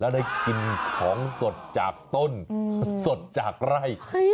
แล้วได้กินของสดจากต้นสดจากไร่